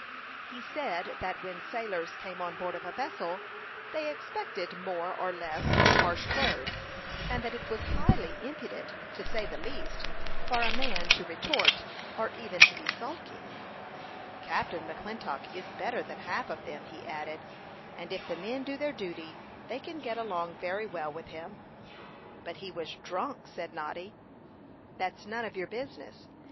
He said that when sailors came on board of a vessel they expected more or less harsh words, and that it was highly impudent, to say the least, for a man to retort, or even to be sulky. "Captain McClintock is better than half of them," he added; "and if the men do their duty, they can get along very well with him." "But he was drunk," said Noddy. "That's none of your business.